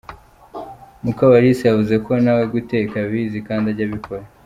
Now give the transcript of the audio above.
Mukabalisa yavuze ko na we guteka abizi kandi ajya abikora.